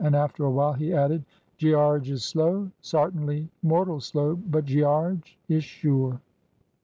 And after a while he added, "Gearge is slow, sartinly, mortal slow; but Gearge is sure."